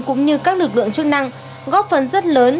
cũng như các lực lượng chức năng góp phần rất lớn